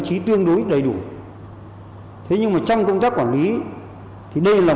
chúng tôi rất hiểu định bỡ chấm cues dịch và xuân miệng